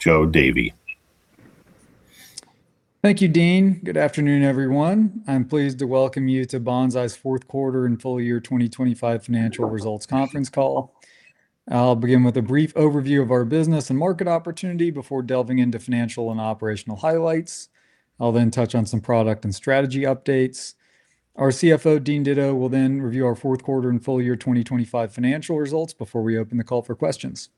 Joe Davy. Thank you, Dean. Good afternoon, everyone. I'm pleased to welcome you to Banzai's fourth quarter and full year 2025 financial results conference call. I'll begin with a brief overview of our business and market opportunity before delving into financial and operational highlights. I'll then touch on some product and strategy updates. Our CFO, Dean Ditto, will then review our fourth quarter and full year 2025 financial results before we open the call for questions.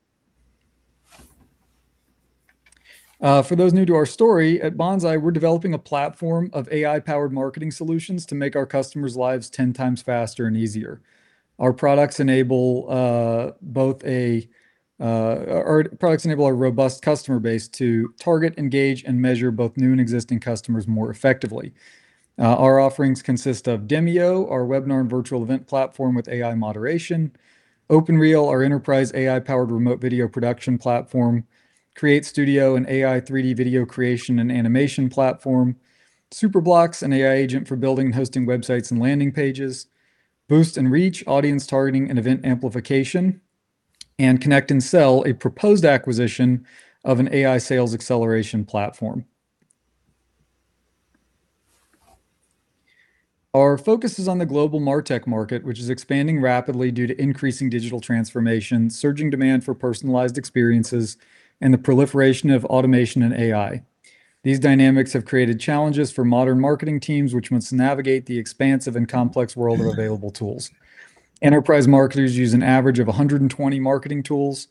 For those new to our story, at Banzai, we're developing a platform of AI-powered marketing solutions to make our customers' lives 10x faster and easier. Our products enable our robust customer base to target, engage, and measure both new and existing customers more effectively. Our offerings consist of Demio, our webinar and virtual event platform with AI moderation, OpenReel, our enterprise AI-powered remote video production platform, CreateStudio, an AI 3D video creation and animation platform, Superblocks, an AI agent for building and hosting websites and landing pages, Boost and Reach, audience targeting and event amplification, and ConnectAndSell, a proposed acquisition of an AI sales acceleration platform. Our focus is on the global martech market, which is expanding rapidly due to increasing digital transformation, surging demand for personalized experiences, and the proliferation of automation and AI. These dynamics have created challenges for modern marketing teams, which must navigate the expansive and complex world of available tools. Enterprise marketers use an average of 120 marketing tools.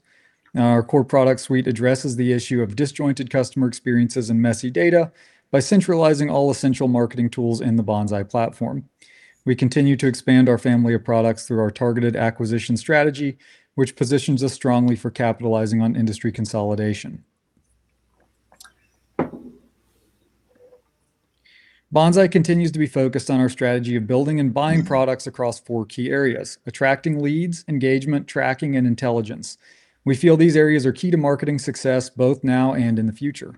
Our core product suite addresses the issue of disjointed customer experiences and messy data by centralizing all essential marketing tools in the Banzai platform. We continue to expand our family of products through our targeted acquisition strategy, which positions us strongly for capitalizing on industry consolidation. Banzai continues to be focused on our strategy of building and buying products across four key areas, attracting leads, engagement, tracking, and intelligence. We feel these areas are key to marketing success both now and in the future.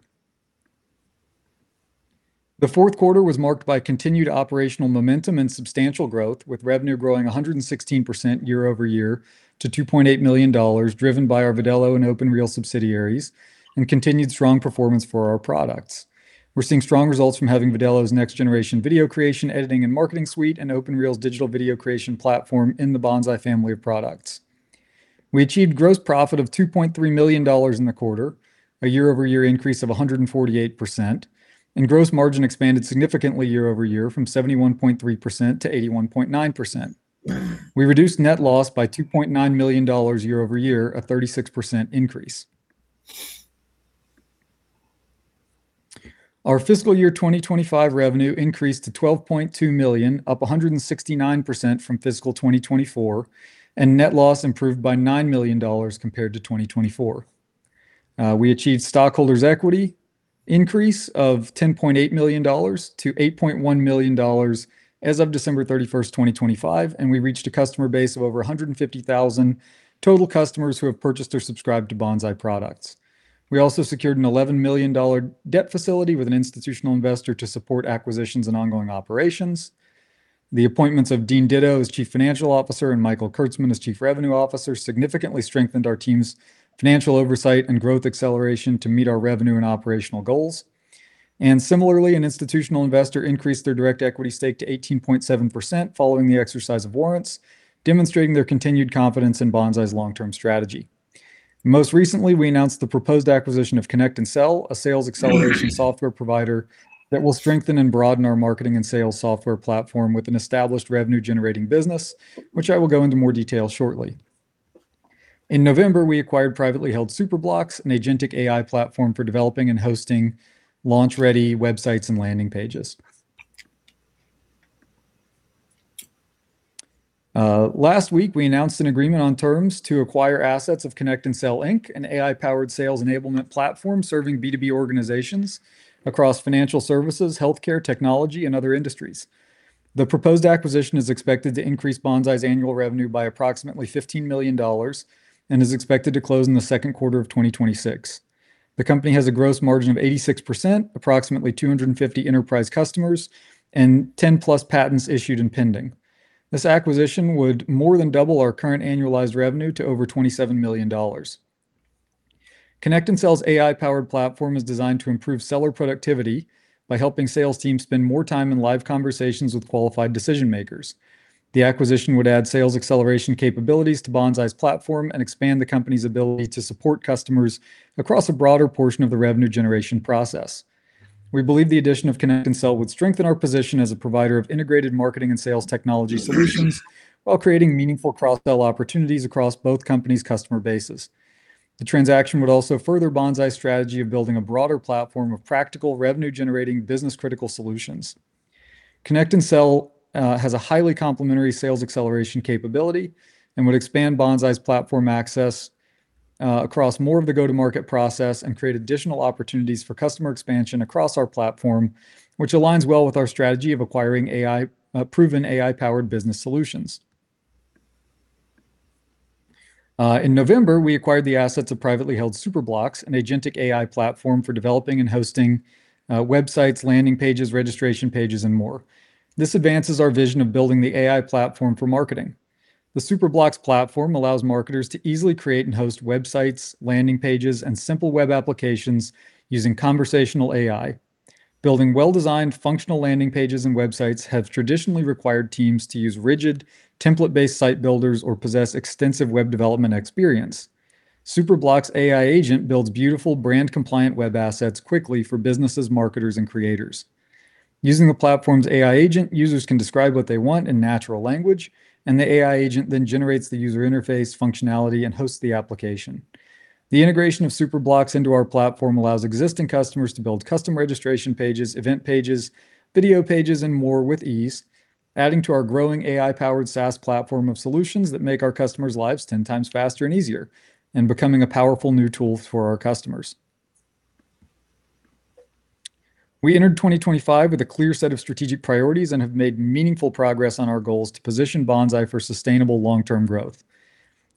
The fourth quarter was marked by continued operational momentum and substantial growth, with revenue growing 116% year-over-year to $2.8 million, driven by our Vidello and OpenReel subsidiaries and continued strong performance for our products. We're seeing strong results from having Vidello's next-generation video creation, editing, and marketing suite and OpenReel's digital video creation platform in the Banzai family of products. We achieved gross profit of $2.3 million in the quarter, a year-over-year increase of 148%, and gross margin expanded significantly year-over-year from 71.3% to 81.9%. We reduced net loss by $2.9 million year-over-year, a 36% increase. Our fiscal year 2025 revenue increased to $12.2 million, up 169% from fiscal 2024, and net loss improved by $9 million compared to 2024. We achieved stockholders' equity increase of $10.8 million to $8.1 million as of December 31, 2025, and we reached a customer base of over 150,000 total customers who have purchased or subscribed to Banzai products. We also secured a $11 million debt facility with an institutional investor to support acquisitions and ongoing operations. The appointments of Dean Ditto as Chief Financial Officer and Michael Kurtzman as Chief Revenue Officer significantly strengthened our team's financial oversight and growth acceleration to meet our revenue and operational goals. Similarly, an institutional investor increased their direct equity stake to 18.7% following the exercise of warrants, demonstrating their continued confidence in Banzai's long-term strategy. Most recently, we announced the proposed acquisition of ConnectAndSell, a sales acceleration software provider that will strengthen and broaden our marketing and sales software platform with an established revenue-generating business, which I will go into more detail shortly. In November, we acquired privately held Superblocks, an agentic AI platform for developing and hosting launch-ready websites and landing pages. Last week, we announced an agreement on terms to acquire assets of ConnectAndSell, Inc., an AI-powered sales enablement platform serving B2B organizations across financial services, healthcare, technology, and other industries. The proposed acquisition is expected to increase Banzai's annual revenue by approximately $15 million and is expected to close in the second quarter of 2026. The company has a gross margin of 86%, approximately 250 enterprise customers, and 10+ patents issued and pending. This acquisition would more than double our current annualized revenue to over $27 million. ConnectAndSell's AI-powered platform is designed to improve seller productivity by helping sales teams spend more time in live conversations with qualified decision-makers. The acquisition would add sales acceleration capabilities to Banzai's platform and expand the company's ability to support customers across a broader portion of the revenue generation process. We believe the addition of ConnectAndSell would strengthen our position as a provider of integrated marketing and sales technology solutions while creating meaningful cross-sell opportunities across both companies' customer bases. The transaction would also further Banzai's strategy of building a broader platform of practical revenue-generating business-critical solutions. ConnectAndSell has a highly complementary sales acceleration capability and would expand Banzai's platform access across more of the go-to-market process and create additional opportunities for customer expansion across our platform, which aligns well with our strategy of acquiring AI proven AI-powered business solutions. In November, we acquired the assets of privately held Superblocks, an agentic AI platform for developing and hosting websites, landing pages, registration pages, and more. This advances our vision of building the AI platform for marketing. The Superblocks platform allows marketers to easily create and host websites, landing pages, and simple web applications using conversational AI. Building well-designed functional landing pages and websites have traditionally required teams to use rigid template-based site builders or possess extensive web development experience. Superblocks AI agent builds beautiful brand compliant web assets quickly for businesses, marketers, and creators. Using the platform's AI agent, users can describe what they want in natural language, and the AI agent then generates the user interface functionality and hosts the application. The integration of Superblocks into our platform allows existing customers to build custom registration pages, event pages, video pages, and more with ease, adding to our growing AI-powered SaaS platform of solutions that make our customers' lives 10 times faster and easier and becoming a powerful new tool for our customers. We entered 2025 with a clear set of strategic priorities and have made meaningful progress on our goals to position Banzai for sustainable long-term growth.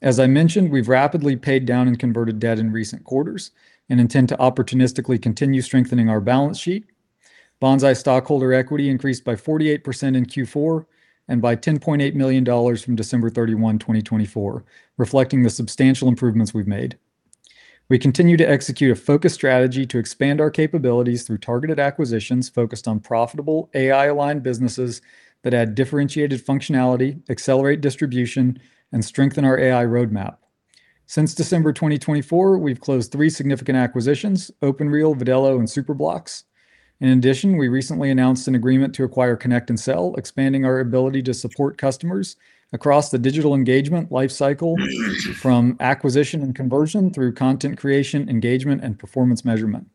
As I mentioned, we've rapidly paid down and converted debt in recent quarters and intend to opportunistically continue strengthening our balance sheet. Banzai stockholders' equity increased by 48% in Q4 and by $10.8 million from December 31, 2024, reflecting the substantial improvements we've made. We continue to execute a focused strategy to expand our capabilities through targeted acquisitions focused on profitable AI-aligned businesses that add differentiated functionality, accelerate distribution, and strengthen our AI roadmap. Since December 2024, we've closed three significant acquisitions, OpenReel, Vidello, and Superblocks. In addition, we recently announced an agreement to acquire ConnectAndSell, expanding our ability to support customers across the digital engagement life cycle from acquisition and conversion through content creation, engagement, and performance measurement.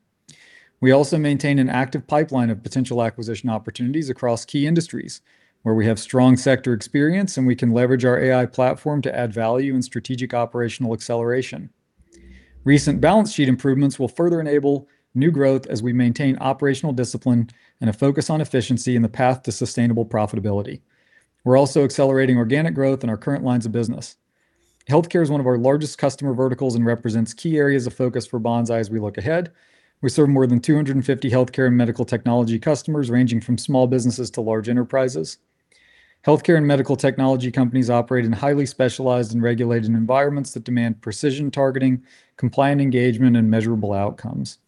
We also maintain an active pipeline of potential acquisition opportunities across key industries where we have strong sector experience, and we can leverage our AI platform to add value and strategic operational acceleration. Recent balance sheet improvements will further enable new growth as we maintain operational discipline and a focus on efficiency in the path to sustainable profitability. We're also accelerating organic growth in our current lines of business. Healthcare is one of our largest customer verticals and represents key areas of focus for Banzai as we look ahead. We serve more than 250 healthcare and medical technology customers, ranging from small businesses to large enterprises. Healthcare and medical technology companies operate in highly specialized and regulated environments that demand precision targeting, compliant engagement, and measurable outcomes.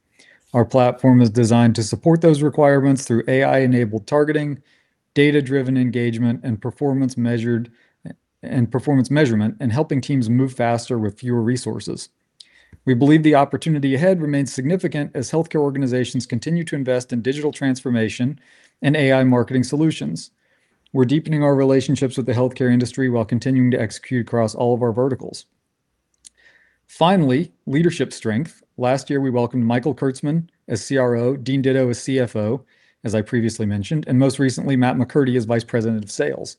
Our platform is designed to support those requirements through AI-enabled targeting, data-driven engagement, and performance measurement, and helping teams move faster with fewer resources. We believe the opportunity ahead remains significant as healthcare organizations continue to invest in digital transformation and AI marketing solutions. We're deepening our relationships with the healthcare industry while continuing to execute across all of our verticals. Finally, leadership strength. Last year, we welcomed Michael Kurtzman as CRO, Dean Ditto as CFO, as I previously mentioned, and most recently, Matt McCurdy as vice president of sales.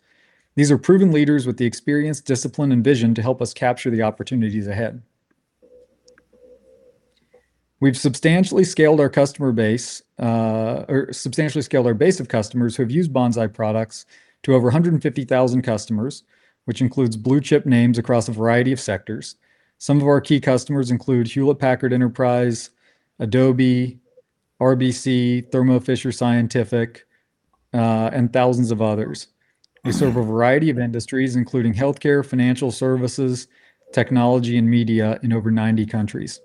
These are proven leaders with the experience, discipline, and vision to help us capture the opportunities ahead. We've substantially scaled our customer base or substantially scaled our base of customers who have used Banzai products to over 150,000 customers, which includes blue-chip names across a variety of sectors. Some of our key customers include Hewlett Packard Enterprise, Adobe, RBC, Thermo Fisher Scientific, and thousands of others. We serve a variety of industries, including healthcare, financial services, technology, and media in over 90 countries.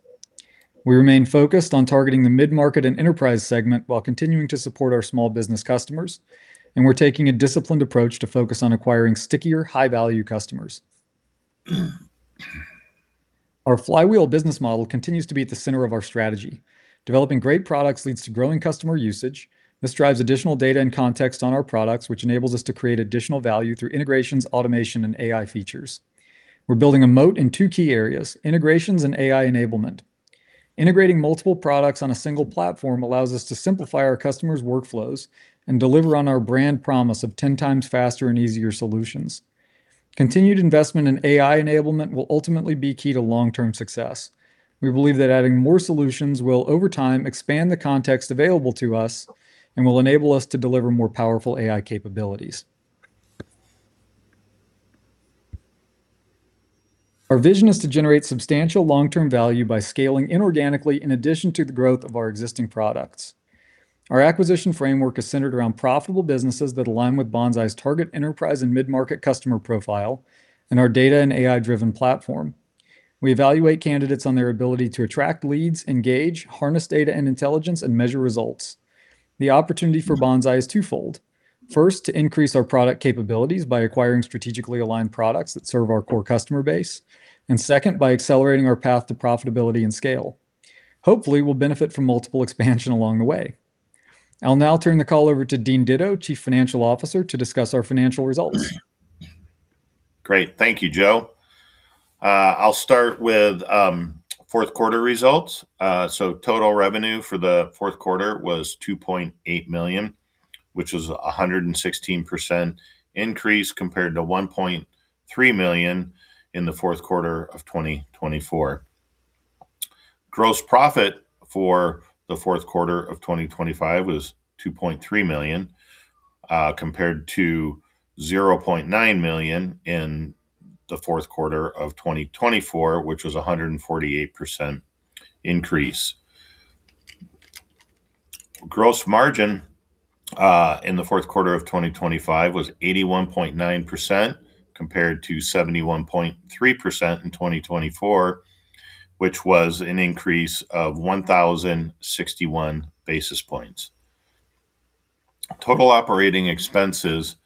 We remain focused on targeting the mid-market and enterprise segment while continuing to support our small business customers, and we're taking a disciplined approach to focus on acquiring stickier, high-value customers. Our flywheel business model continues to be at the center of our strategy. Developing great products leads to growing customer usage. This drives additional data and context on our products, which enables us to create additional value through integrations, automation, and AI features. We're building a moat in two key areas: integrations and AI enablement. Integrating multiple products on a single platform allows us to simplify our customers' workflows and deliver on our brand promise of 10x faster and easier solutions. Continued investment in AI enablement will ultimately be key to long-term success. We believe that adding more solutions will, over time, expand the context available to us and will enable us to deliver more powerful AI capabilities. Our vision is to generate substantial long-term value by scaling inorganically in addition to the growth of our existing products. Our acquisition framework is centered around profitable businesses that align with Banzai's target enterprise and mid-market customer profile and our data and AI-driven platform. We evaluate candidates on their ability to attract leads, engage, harness data and intelligence, and measure results. The opportunity for Banzai is twofold. First, to increase our product capabilities by acquiring strategically aligned products that serve our core customer base, and second, by accelerating our path to profitability and scale. Hopefully, we'll benefit from multiple expansion along the way. I'll now turn the call over to Dean Ditto, Chief Financial Officer, to discuss our financial results. Great. Thank you, Joe. I'll start with fourth quarter results. Total revenue for the fourth quarter was $2.8 million, which was a 116% increase compared to $1.3 million in the fourth quarter of 2024. Gross profit for the fourth quarter of 2025 was $2.3 million compared to $0.9 million in the fourth quarter of 2024, which was a 148% increase. Gross margin in the fourth quarter of 2025 was 81.9% compared to 71.3% in 2024, which was an increase of 1,061 basis points. Total operating expenses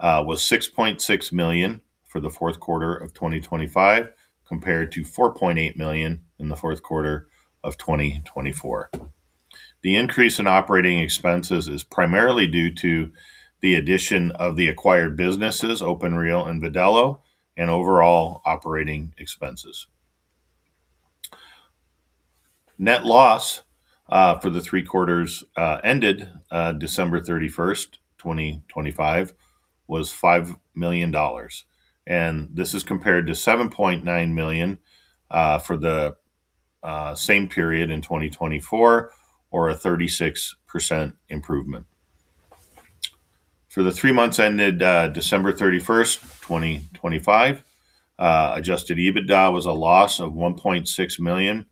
was $6.6 million for the fourth quarter of 2025 compared to $4.8 million in the fourth quarter of 2024. The increase in operating expenses is primarily due to the addition of the acquired businesses, OpenReel and Vidello, and overall operating expenses. Net loss for the three quarters ended December 31st, 2025, was $5 million, and this is compared to $7.9 million for the same period in 2024, or a 36% improvement. For the three months ended December 31st, 2025, adjusted EBITDA was a loss of $1.6 million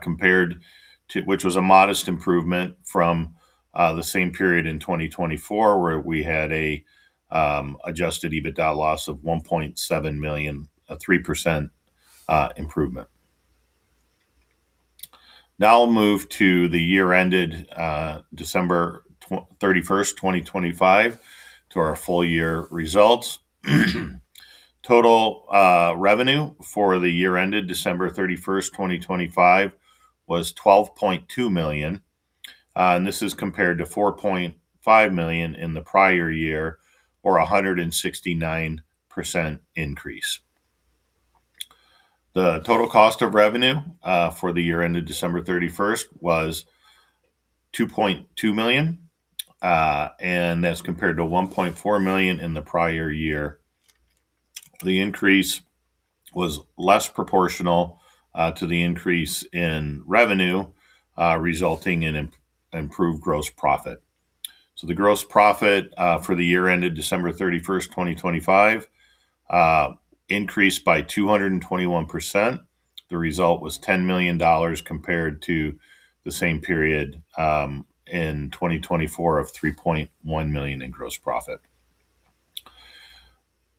compared to which was a modest improvement from the same period in 2024, where we had a adjusted EBITDA loss of $1.7 million, a 3% improvement. Now I'll move to the year ended December 31st, 2025, to our full year results. Total revenue for the year ended December 31st, 2025, was $12.2 million, and this is compared to $4.5 million in the prior year or 169% increase. The total cost of revenue for the year ended December 31 was $2.2 million, and as compared to $1.4 million in the prior year. The increase was less proportional to the increase in revenue, resulting in improved gross profit. The gross profit for the year ended December 3st1, 2025, increased by 221%. The result was $10 million compared to the same period in 2024 of $3.1 million in gross profit.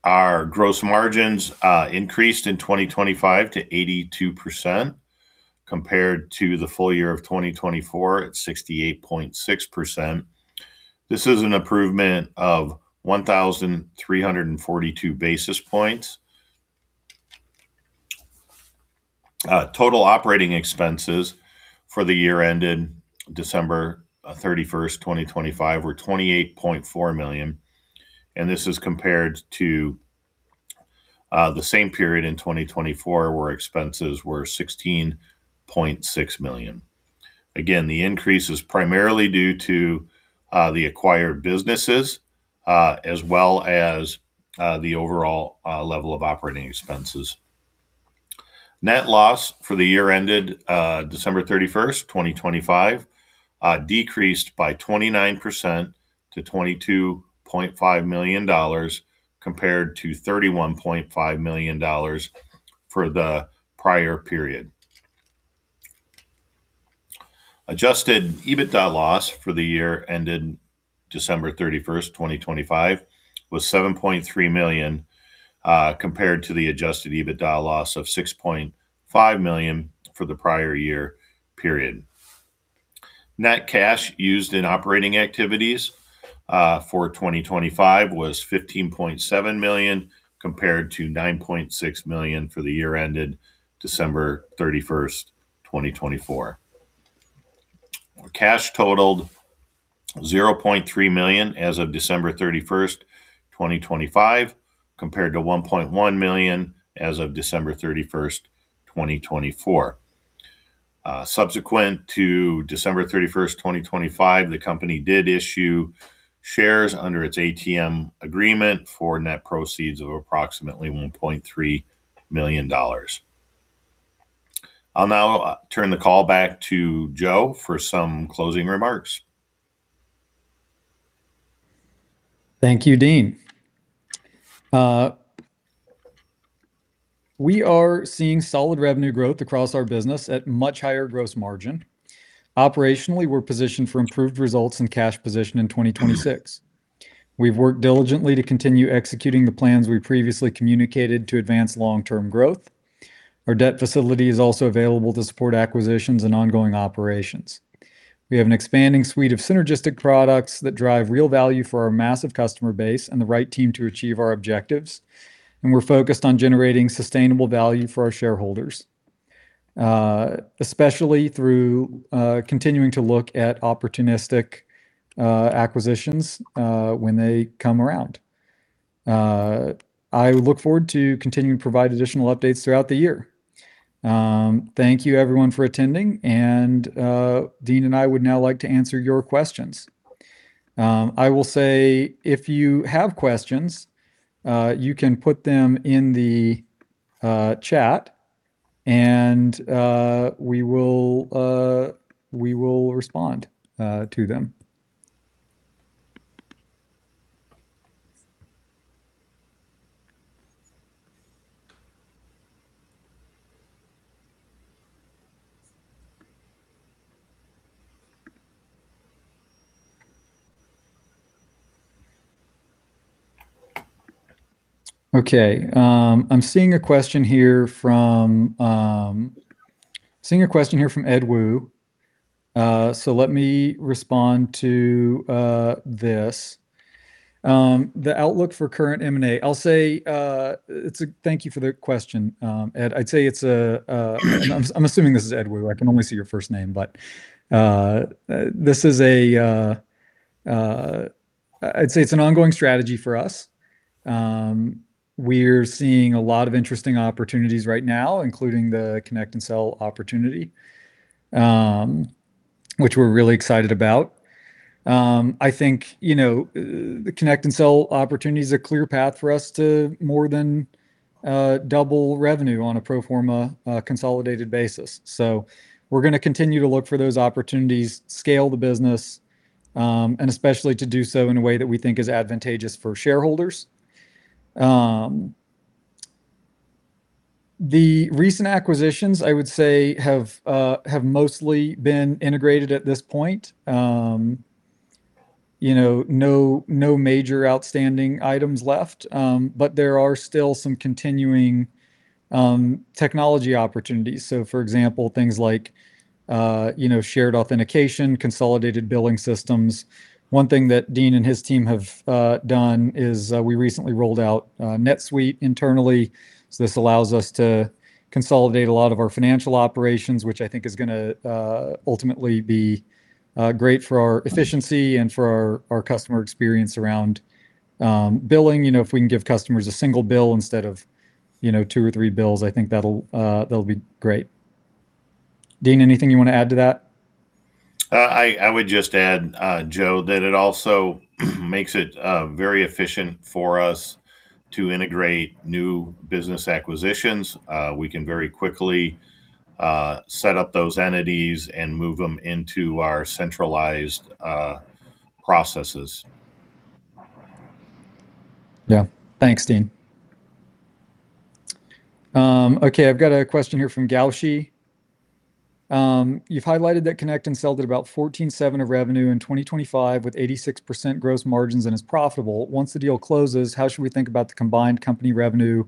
Our gross margins increased in 2025 to 82% compared to the full year of 2024 at 68.6%. This is an improvement of 1,342 basis points. Total operating expenses for the year ended December 31, 2025, were $28.4 million, and this is compared to the same period in 2024, where expenses were $16.6 million. Again, the increase is primarily due to the acquired businesses as well as the overall level of operating expenses. Net loss for the year ended December 31st, 2025, decreased by 29% to $22.5 million compared to $31.5 million for the prior period. Adjusted EBITDA loss for the year ended December 31st, 2025, was $7.3 million compared to the adjusted EBITDA loss of $6.5 million for the prior year period. Net cash used in operating activities for 2025 was $15.7 million compared to $9.6 million for the year ended December 31st, 2024. Cash totaled $0.3 million as of December 31st, 2025, compared to $1.1 million as of December 31st, 2024. Subsequent to December 31, 2025, the company did issue shares under its ATM agreement for net proceeds of approximately $1.3 million. I'll now turn the call back to Joe for some closing remarks. Thank you, Dean. We are seeing solid revenue growth across our business at much higher gross margin. Operationally, we're positioned for improved results and cash position in 2026. We've worked diligently to continue executing the plans we previously communicated to advance long-term growth. Our debt facility is also available to support acquisitions and ongoing operations. We have an expanding suite of synergistic products that drive real value for our massive customer base and the right team to achieve our objectives, and we're focused on generating sustainable value for our shareholders, especially through continuing to look at opportunistic acquisitions when they come around. I look forward to continuing to provide additional updates throughout the year. Thank you everyone for attending, and Dean and I would now like to answer your questions. I will say if you have questions, you can put them in the chat and we will respond to them. Okay. I'm seeing a question here from Ed Wu, so let me respond to this. The outlook for current M&A. Thank you for the question, Ed. I'd say it's an ongoing strategy for us. I'm assuming this is Ed Wu. I can only see your first name. We're seeing a lot of interesting opportunities right now, including the ConnectAndSell opportunity, which we're really excited about. I think, you know, the ConnectAndSell opportunity's a clear path for us to more than double revenue on a pro forma consolidated basis. We're gonna continue to look for those opportunities, scale the business, and especially to do so in a way that we think is advantageous for shareholders. The recent acquisitions I would say have mostly been integrated at this point. You know, no major outstanding items left, but there are still some continuing technology opportunities. For example, things like, you know, shared authentication, consolidated billing systems. One thing that Dean and his team have done is we recently rolled out NetSuite internally. This allows us to consolidate a lot of our financial operations, which I think is gonna ultimately be great for our efficiency and for our customer experience around billing. You know, if we can give customers a single bill instead of, you know, two or three bills, I think that'll be great. Dean, anything you wanna add to that? I would just add, Joe, that it also makes it very efficient for us to integrate new business acquisitions. We can very quickly set up those entities and move them into our centralized processes. Yeah. Thanks, Dean. Okay, I've got a question here from Gaoshi. You've highlighted that ConnectAndSell did about $14.7 million of revenue in 2025, with 86% gross margins and is profitable. Once the deal closes, how should we think about the combined company revenue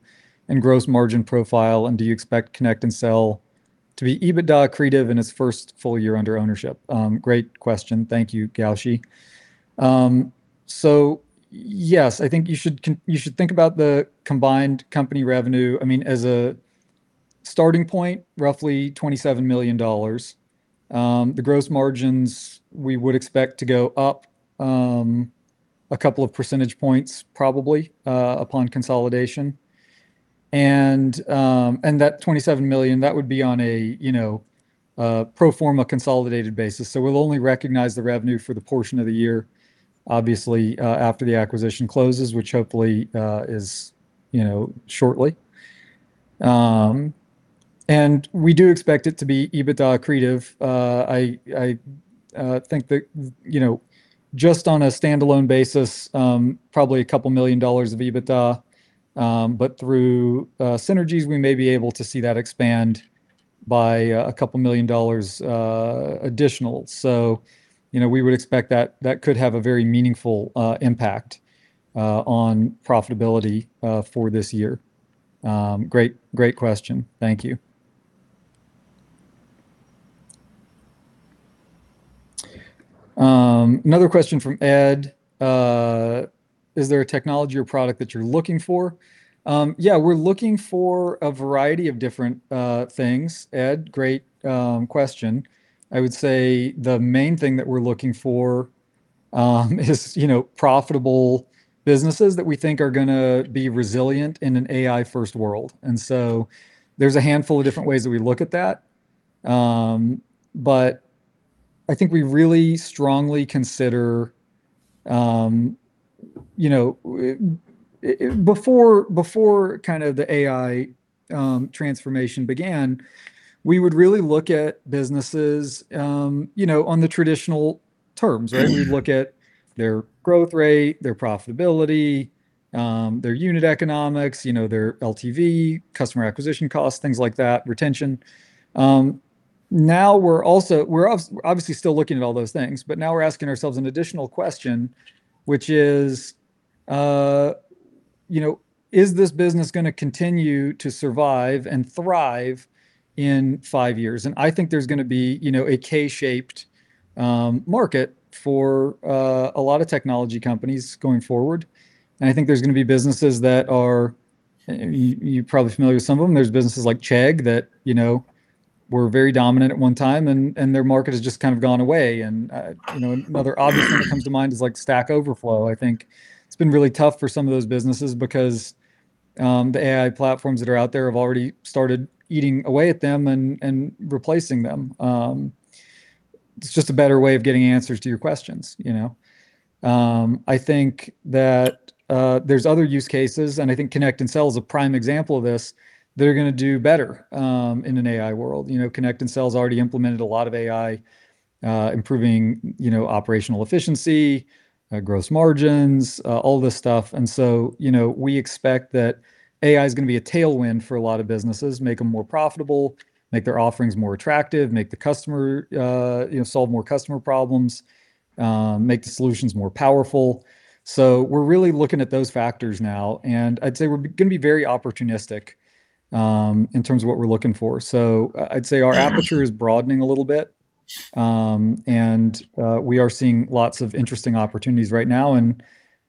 and gross margin profile, and do you expect ConnectAndSell to be EBITDA accretive in its first full year under ownership? Great question. Thank you, Gaoshi. So yes, I think you should think about the combined company revenue, I mean, as a starting point, roughly $27 million. The gross margins we would expect to go up a couple of percentage points probably upon consolidation. That $27 million would be on a, you know, a pro forma consolidated basis. We'll only recognize the revenue for the portion of the year, obviously, after the acquisition closes, which hopefully is, you know, shortly. We do expect it to be EBITDA accretive. I think that, you know, just on a standalone basis, probably a couple of million dollars of EBITDA, but through synergies, we may be able to see that expand by $2 million additional. You know, we would expect that could have a very meaningful impact on profitability for this year. Great question. Thank you. Another question from Ed. Is there a technology or product that you're looking for? Yeah, we're looking for a variety of different things, Ed. Great question. I would say the main thing that we're looking for, is, you know, profitable businesses that we think are gonna be resilient in an AI first world. There's a handful of different ways that we look at that. I think we really strongly consider, you know, before kind of the AI transformation began, we would really look at businesses, you know, on the traditional terms, right? We'd look at their growth rate, their profitability, their unit economics, you know, their LTV, customer acquisition costs, things like that, retention. Now we're obviously still looking at all those things, but now we're asking ourselves an additional question, which is, you know, is this business gonna continue to survive and thrive in five years? I think there's gonna be, you know, a K-shaped market for a lot of technology companies going forward. I think there's gonna be businesses that are. You're probably familiar with some of them. There's businesses like Chegg that, you know, were very dominant at one time and their market has just kind of gone away. You know, another obvious one that comes to mind is like Stack Overflow. I think it's been really tough for some of those businesses because the AI platforms that are out there have already started eating away at them and replacing them. It's just a better way of getting answers to your questions, you know? I think that there's other use cases, and I think ConnectAndSell is a prime example of this, that are gonna do better in an AI world. You know, ConnectAndSell has already implemented a lot of AI, improving, you know, operational efficiency, gross margins, all this stuff. You know, we expect that AI's gonna be a tailwind for a lot of businesses, make them more profitable, make their offerings more attractive, make the customer solve more customer problems, make the solutions more powerful. We're really looking at those factors now, and I'd say we're gonna be very opportunistic in terms of what we're looking for. I'd say our aperture is broadening a little bit. We are seeing lots of interesting opportunities right now, and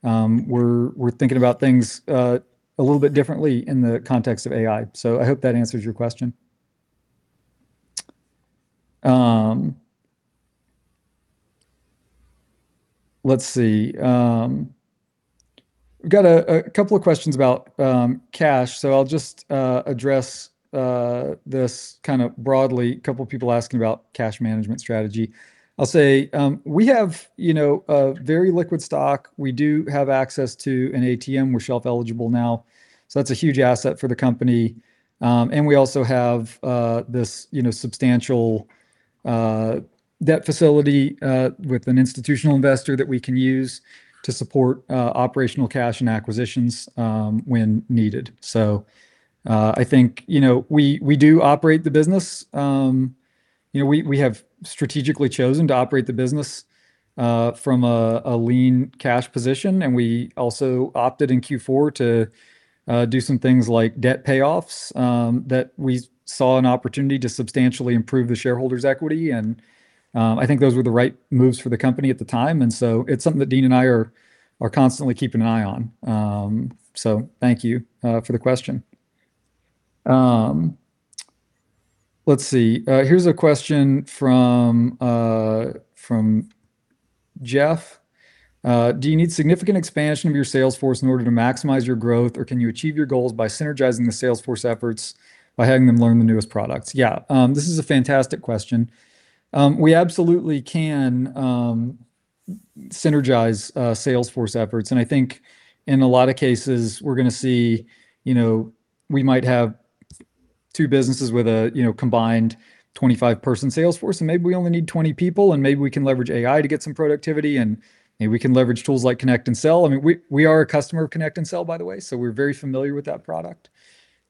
we're thinking about things a little bit differently in the context of AI. I hope that answers your question. Let's see. Got a couple of questions about cash, so I'll just address this kind of broadly. Couple people asking about cash management strategy. I'll say, we have, you know, a very liquid stock. We do have access to an ATM. We're shelf eligible now, so that's a huge asset for the company. We also have this, you know, substantial debt facility with an institutional investor that we can use to support operational cash and acquisitions when needed. I think, you know, we do operate the business. You know, we have strategically chosen to operate the business from a lean cash position, and we also opted in Q4 to do some things like debt payoffs that we saw an opportunity to substantially improve the shareholders' equity. I think those were the right moves for the company at the time, and so it's something that Dean and I are constantly keeping an eye on. Thank you for the question. Let's see. Here's a question from Jeff. "Do you need significant expansion of your sales force in order to maximize your growth, or can you achieve your goals by synergizing the sales force efforts by having them learn the newest products?" Yeah, this is a fantastic question. We absolutely can synergize sales force efforts, and I think in a lot of cases we're gonna see, you know, we might have two businesses with a, you know, combined 25-person sales force, and maybe we only need 20 people, and maybe we can leverage AI to get some productivity, and maybe we can leverage tools like ConnectAndSell. I mean, we are a customer of ConnectAndSell, by the way, so we're very familiar with that product.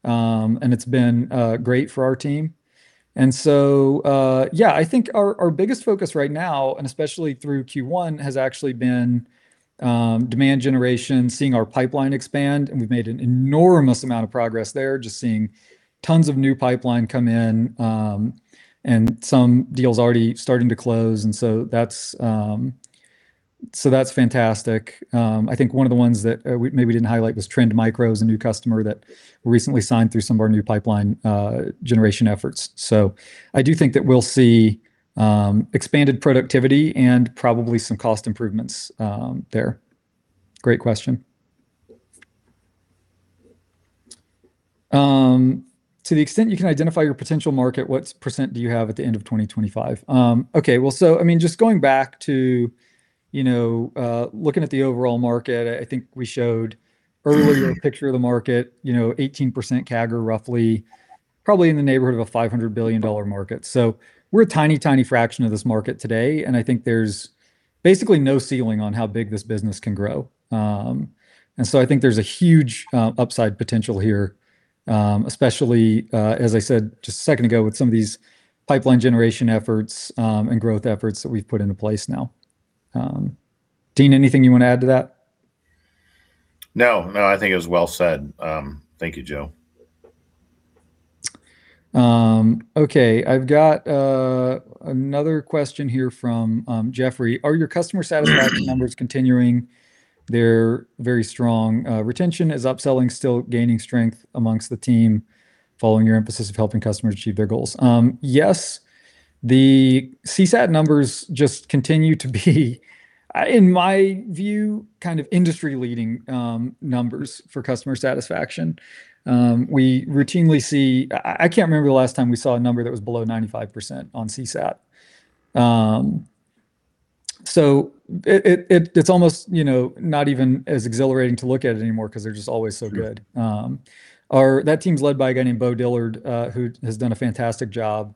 And it's been great for our team. Yeah, I think our biggest focus right now, and especially through Q1, has actually been demand generation, seeing our pipeline expand, and we've made an enormous amount of progress there, just seeing tons of new pipeline come in, and some deals already starting to close. That's fantastic. I think one of the ones that we maybe didn't highlight was Trend Micro is a new customer that recently signed through some of our new pipeline generation efforts. I do think that we'll see expanded productivity and probably some cost improvements there. Great question. "To the extent you can identify your potential market, what percent do you have at the end of 2025?" Okay. Well, I mean, just going back to you know looking at the overall market, I think we showed earlier a picture of the market, you know 18% CAGR, roughly, probably in the neighborhood of a $500 billion market. We're a tiny fraction of this market today, and I think there's basically no ceiling on how big this business can grow. I think there's a huge upside potential here, especially as I said just a second ago, with some of these pipeline generation efforts, and growth efforts that we've put into place now. Dean, anything you wanna add to that? No, no, I think it was well said. Thank you, Joe. Okay. I've got another question here from Jeffrey. "Are your customer satisfaction numbers continuing their very strong retention? Is upselling still gaining strength amongst the team following your emphasis of helping customers achieve their goals?" Yes. The CSAT numbers just continue to be in my view, kind of industry-leading numbers for customer satisfaction. We routinely see. I can't remember the last time we saw a number that was below 95% on CSAT. It's almost, you know, not even as exhilarating to look at it anymore 'cause they're just always so good. That team's led by a guy named Beau Dillard, who has done a fantastic job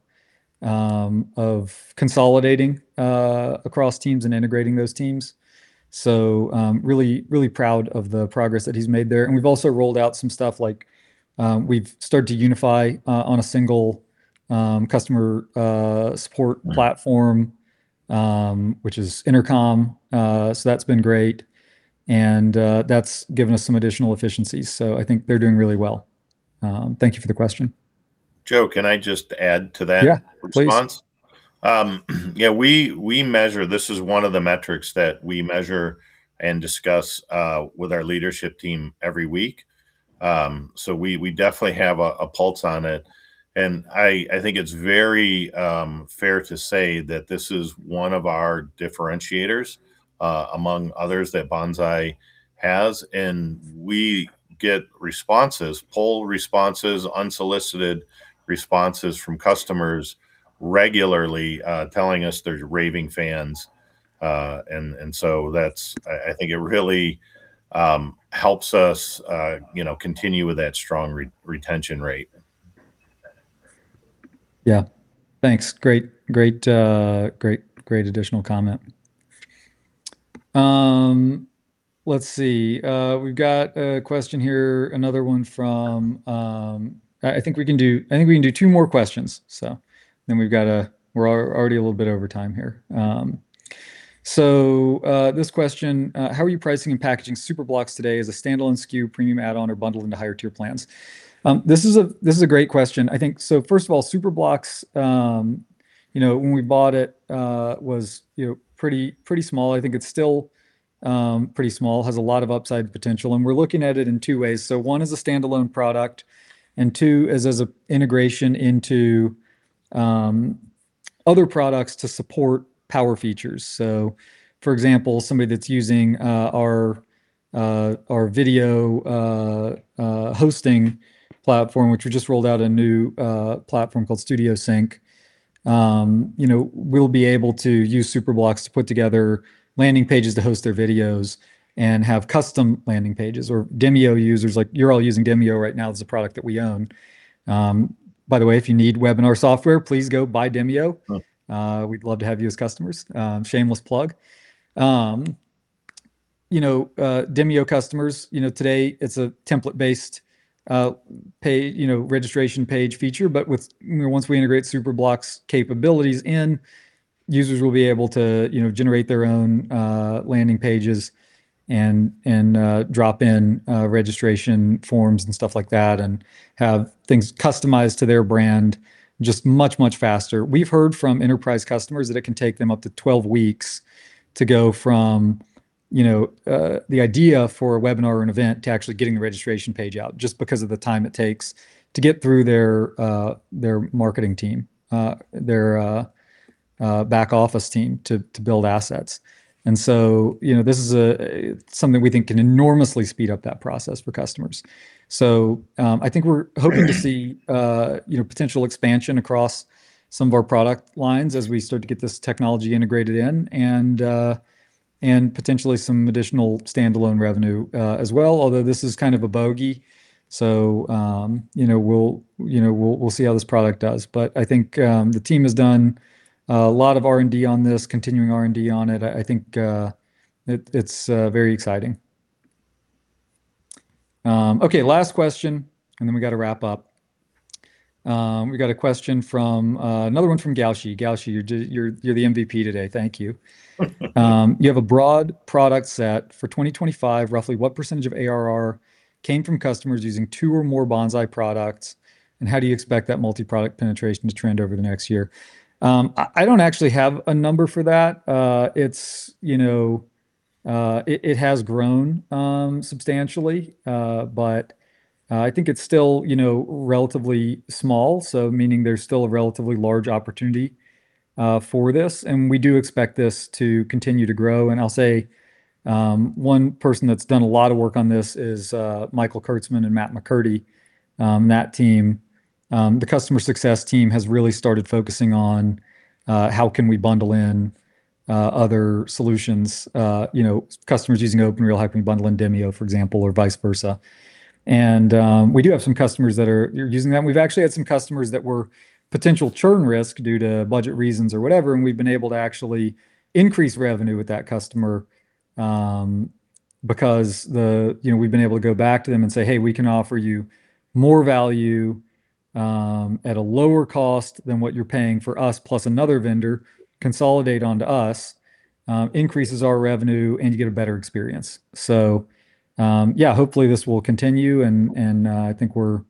of consolidating across teams and integrating those teams. Really proud of the progress that he's made there, and we've also rolled out some stuff like, we've started to unify on a single customer support platform, which is Intercom. That's been great, and that's given us some additional efficiencies, so I think they're doing really well. Thank you for the question. Joe, can I just add to that. Yeah, please.... response? Yeah, we measure. This is one of the metrics that we measure and discuss with our leadership team every week. We definitely have a pulse on it. I think it's very fair to say that this is one of our differentiators, among others, that Banzai has. We get responses, poll responses, unsolicited responses from customers regularly, telling us they're raving fans. That's. I think it really helps us, you know, continue with that strong retention rate. Yeah. Thanks. Great additional comment. Let's see. We've got a question here, another one from. I think we can do two more questions, so then we've got a. We're already a little bit over time here. This question, "How are you pricing and packaging Superblocks today as a standalone SKU, premium add-on, or bundled into higher tier plans?" This is a great question. I think. First of all, Superblocks, you know, when we bought it, was, you know, pretty small. I think it's still pretty small, has a lot of upside potential, and we're looking at it in two ways. One is a standalone product, and two is as a integration into other products to support power features. For example, somebody that's using our video hosting platform, which we just rolled out a new platform called Studio Sync. You know, we'll be able to use Superblocks to put together landing pages to host their videos and have custom landing pages, or Demio users. Like, you're all using Demio right now. It's a product that we own. By the way, if you need webinar software, please go buy Demio. Oh. We'd love to have you as customers. Shameless plug. You know, Demio customers, you know, today it's a template-based, you know, registration page feature, but with, you know, once we integrate Superblocks capabilities in, users will be able to, you know, generate their own, landing pages and, drop in, registration forms and stuff like that, and have things customized to their brand just much, much faster. We've heard from enterprise customers that it can take them up to 12 weeks to go from, the idea for a webinar or an event to actually getting the registration page out, just because of the time it takes to get through their marketing team, their, back office team to build assets. You know, this is a something we think can enormously speed up that process for customers. I think we're hoping to see you know, potential expansion across some of our product lines as we start to get this technology integrated in and potentially some additional standalone revenue as well. Although this is kind of a bogey, you know, we'll see how this product does. I think the team has done a lot of R&D on this, continuing R&D on it. I think it's very exciting. Okay, last question and then we gotta wrap up. We got a question from another one from Gaushee. Gaushee, you're the MVP today. Thank you. You have a broad product set. For 2025, roughly what percentage of ARR came from customers using two or more Banzai products, and how do you expect that multi-product penetration to trend over the next year? I don't actually have a number for that. It's, you know, it has grown substantially. I think it's still, you know, relatively small, so meaning there's still a relatively large opportunity for this, and we do expect this to continue to grow. I'll say, one person that's done a lot of work on this is Michael Kurtzman and Matt McCurdy, that team. The customer success team has really started focusing on how can we bundle in other solutions, you know, customers using OpenReel like bundling in Demio, for example, or vice versa. We do have some customers that are using that, and we've actually had some customers that were potential churn risk due to budget reasons or whatever, and we've been able to actually increase revenue with that customer, because, you know, we've been able to go back to them and say, "Hey, we can offer you more value, at a lower cost than what you're paying for us, plus another vendor. Consolidate onto us, increases our revenue, and you get a better experience." Hopefully this will continue, and I think we're,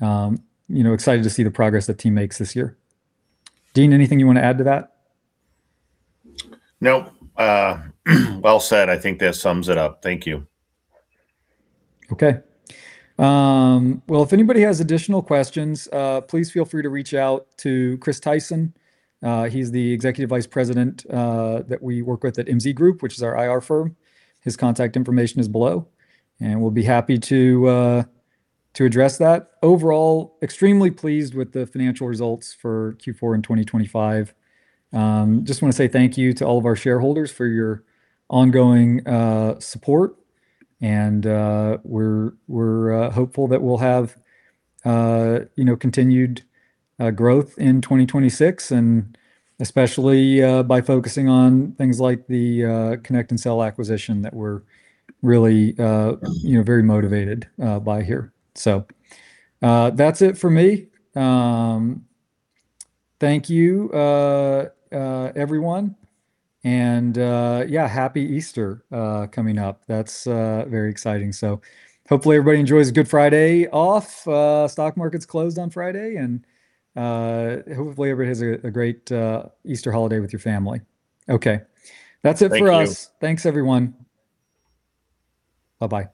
you know, excited to see the progress the team makes this year. Dean, anything you wanna add to that? Nope. Well said. I think that sums it up. Thank you. Okay. Well, if anybody has additional questions, please feel free to reach out to Chris Tyson. He's the Executive Vice President that we work with at MZ Group, which is our IR firm. His contact information is below, and we'll be happy to address that. Overall, extremely pleased with the financial results for Q4 in 2025. Just wanna say thank you to all of our shareholders for your ongoing support. We're hopeful that we'll have you know, continued growth in 2026, and especially by focusing on things like the ConnectAndSell acquisition that we're really you know, very motivated by here. That's it for me. Thank you everyone, and yeah, Happy Easter coming up. That's very exciting. Hopefully everybody enjoys a Good Friday off. Stock market's closed on Friday, and hopefully everybody has a great Easter holiday with your family. Okay. Thank you. That's it for us. Thanks everyone. Bye-bye